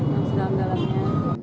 dan sedang dalamnya